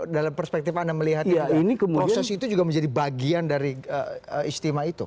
dalam perspektif anda melihat proses itu juga menjadi bagian dari istimewa itu